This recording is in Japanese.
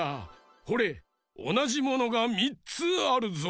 ほれおなじものが３つあるぞ。